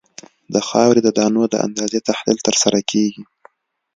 د خاورې د دانو د اندازې تحلیل ترسره کیږي